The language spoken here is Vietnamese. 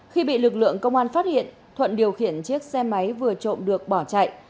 khi bị lực lượng công an phát hiện thuận điều khiển chiếc xe máy vừa trộm được bỏ chạy